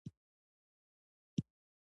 تاریخ د افغانستان د طبیعي زیرمو برخه ده.